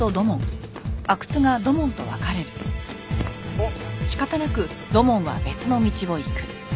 あっ。